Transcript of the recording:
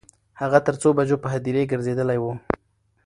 هغه تر څو بجو په هدیرې ګرځیدلی و.